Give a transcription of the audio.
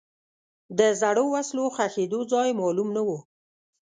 د زړو وسلو ښخېدو ځای معلوم نه و.